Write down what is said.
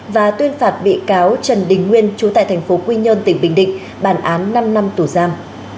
và tuyên phạt bị cáo trần đình nguyên chú tại thành phố quy nhơn tỉnh bình định bản án năm năm tù giam